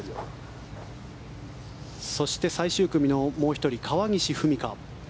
そして、最終組のもう１人川岸史果。